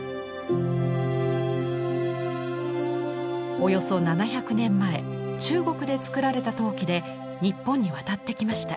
およそ７００年前中国で作られた陶器で日本に渡ってきました。